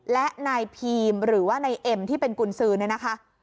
และนายพีมหรือว่านายเอ็มที่เป็นกุญสือเนี่ยนะคะ